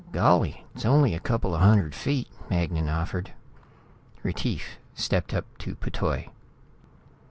"Golly, it's only a couple of hundred feet," Magnan offered. Retief stepped up to P'Toi.